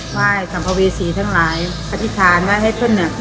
ไหว้สัมภาพเวียสีทั้งหลายอธิษฐานไหว้ให้ช่วงเนี้ย